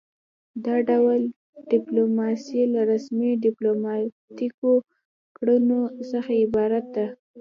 دا ډول ډیپلوماسي له رسمي ډیپلوماتیکو کړنو څخه عبارت ده